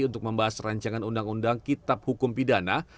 untuk membahas rancangan undang undang kitab hukum pidana